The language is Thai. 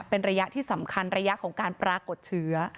เป็นระยะที่สำคัญระยะของการปรากฏเชื้อ